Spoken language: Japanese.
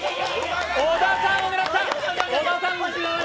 小田さんを狙った！